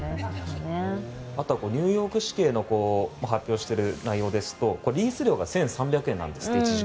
ニューヨーク市警が発表している内容ですとこれ、リース料が１時間１３００円なんですって。